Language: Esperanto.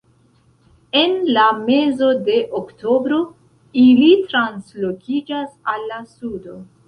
En la mezo de oktobro ili translokiĝas al la sudo.